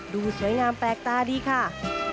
ดูสวยงามแปลกตาดีค่ะ